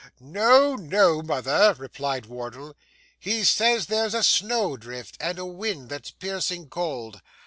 'No, no, mother,' replied Wardle; 'he says there's a snowdrift, and a wind that's piercing cold.